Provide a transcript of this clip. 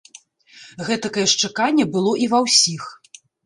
Гэтакае ж чаканне было і ва ўсіх.